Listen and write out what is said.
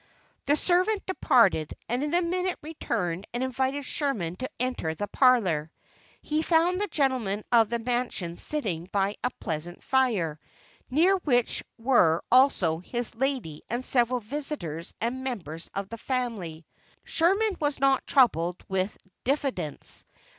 The servant departed, and in a minute returned and invited Sherman to enter the parlor. He found the gentleman of the mansion sitting by a pleasant fire, near which were also his lady and several visitors and members of the family. Sherman was not troubled with diffidence.